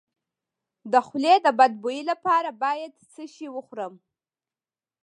د خولې د بد بوی لپاره باید څه شی وخورم؟